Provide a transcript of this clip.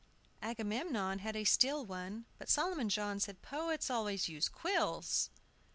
Agamemnon had a steel one, but Solomon John said, "Poets always used quills."